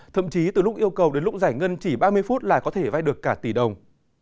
thậm chí từ lúc yêu cầu đến lúc giải ngân chỉ ba mươi phút là có thể vay được cả tỷ đồng